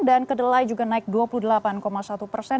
dan kedelai juga naik dua puluh delapan satu persen